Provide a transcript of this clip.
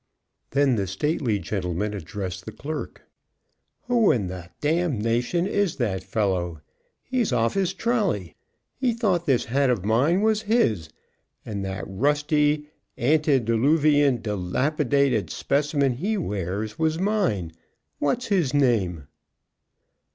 Then the stately gentleman addressed the clerk: "Who in is that fellow? He's off his trolley! He thought this hat of mine was his, and that rusty antediluvian, dilapidated specimen he wears was mine. What's his name?"